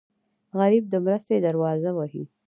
غریب د مرستې دروازه وهي